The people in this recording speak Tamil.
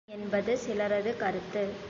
ஆன்மாவே மனம் என்பது சிலரது கருத்து.